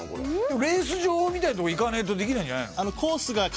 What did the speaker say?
レース場みたいなとこ行かねえとできないんじゃないの？